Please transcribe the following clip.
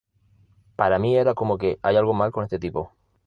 Para mí era como que "hay algo mal con este tipo.